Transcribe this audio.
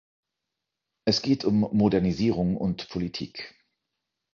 Es geht um Modernisierung und Politik.